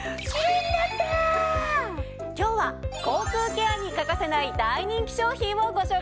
今日は口腔ケアに欠かせない大人気商品をご紹介します。